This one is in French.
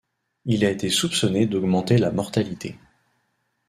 Il a été soupçonné d'augmenter la mortalité.